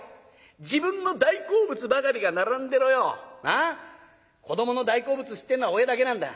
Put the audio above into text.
自分の大好物ばかりが並んでろよなあ子どもの大好物知ってんのは親だけなんだ。